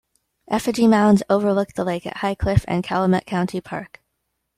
Effigy mounds overlook the lake at High Cliff and Calumet County Park.